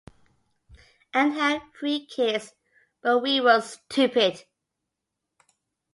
And had three kids, but we were stupid.